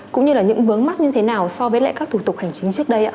cũng như là những vướng mắt như thế nào so với các thủ tục hành chính trước đây ạ